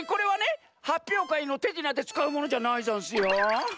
はっぴょうかいのてじなでつかうものじゃないざんすよ。